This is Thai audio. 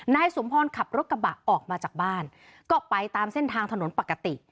นายสมพรขับรถกระบะออกมาจากบ้านก็ไปตามเส้นทางถนนปกติ